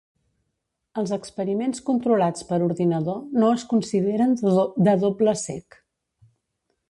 Els experiments controlats per ordinador no es consideren de doble cec.